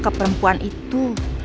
ke perempuan itu